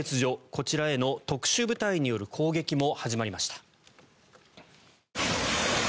こちらへの特殊部隊による攻撃も始まりました。